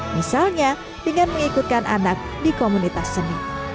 misalnya dengan mengikutkan anak di komunitas seni